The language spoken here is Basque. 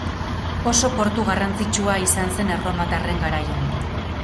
Oso portu garrantzitsua izan zen erromatarren garaian.